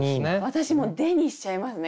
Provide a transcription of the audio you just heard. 私も「で」にしちゃいますね